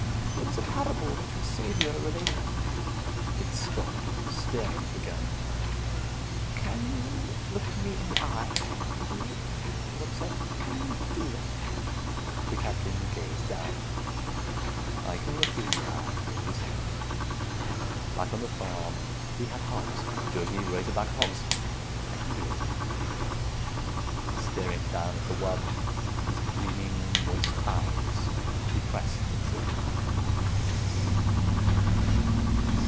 There was a parable that your Saviour related " It stopped, staring at the gun. "Can you look me in the eye and do it?" the wub said. "Can you do that?" The Captain gazed down. "I can look you in the eye," he said. "Back on the farm we had hogs, dirty razor back hogs. I can do it." Staring down at the wub, into the gleaming, moist eyes, he pressed the trigger.